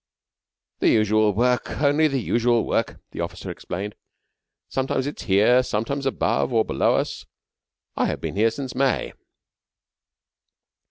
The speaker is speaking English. "The usual work. Only the usual work," the officer explained. "Sometimes it is here. Sometimes above or below us. I have been here since May."